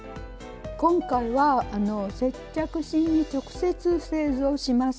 今回は接着芯に直接製図をします。